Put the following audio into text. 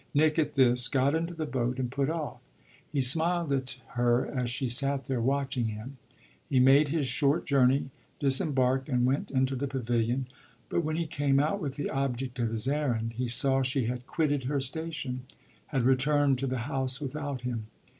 Nick, at this, got into the boat and put off; he smiled at her as she sat there watching him. He made his short journey, disembarked and went into the pavilion; but when he came out with the object of his errand he saw she had quitted her station, had returned to the house without him.